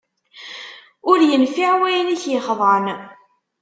Ur yenfiε wayen i k-yexḍan